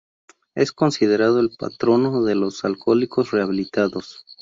Es considerado el patrono de los alcohólicos rehabilitados.